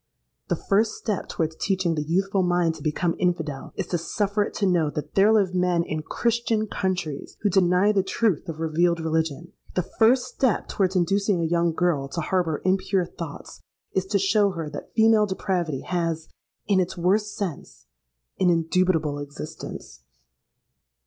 The first step towards teaching the youthful mind to become infidel, is to suffer it to know that there live men, in Christian countries, who deny the truth of revealed religion:—the first step towards inducing a young girl to harbour impure thoughts, is to show her that female depravity has, in its worst sense, an indubitable existence!